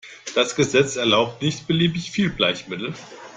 Das Gesetz erlaubt nicht beliebig viel Bleichmittel.